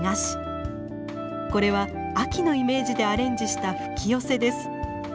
これは秋のイメージでアレンジした「吹き寄せ」です。